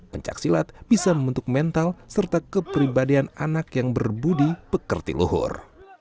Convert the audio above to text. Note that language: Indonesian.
pencaksilat bisa membentuk mental serta kepribadian anak yang berbudi pekerti luhur